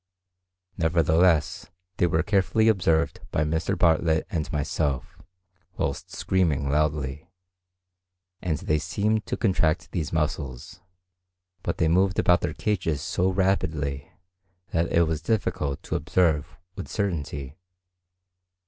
Nevertheless they were carefully observed by Mr. Bartlett and myself, whilst screaming loudly, and they seemed to contract these muscles; but they moved about their cages so rapidly, that it was difficult to observe with certainty.